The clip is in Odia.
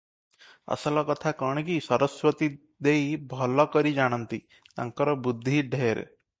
ଅସଲ କଥା କଣ କି, ସରସ୍ୱତୀ ଦେଈ ଭଲ କରି ଜାଣନ୍ତି, ତାଙ୍କର ବୁଦ୍ଧି ଢେର ।